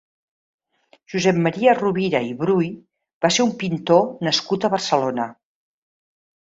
Josep Maria Rovira i Brull va ser un pintor nascut a Barcelona.